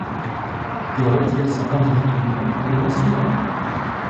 Il retire sa candidature le mois suivant.